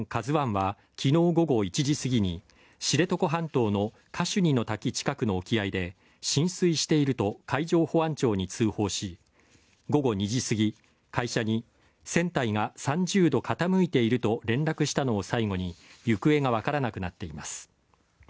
「ＫＡＺＵⅠ」は昨日午後１時すぎに知床半島のカシュニの滝辺りの沖合で浸水していると海上保安庁に通報し午後２時過ぎ会社に船体が３０度傾いていると連絡したのを最後に行方が分からなくなっています。